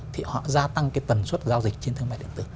thì họ gia tăng cái tần suất giao dịch trên thương mại điện tử